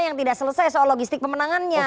yang tidak selesai soal logistik pemenangannya